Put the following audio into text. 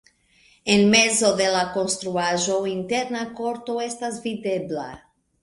En mezo de la konstruaĵo interna korto estas videbla.